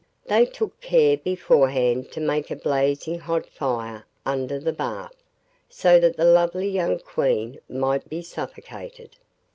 They took care beforehand to make a blazing hot fire under the bath, so that the lovely young Queen might be suffocated.